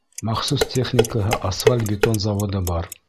Махсус техникаһы, асфальт-бетон заводы бар.